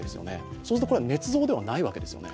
そうするとこれはねつ造ではないわけですよね。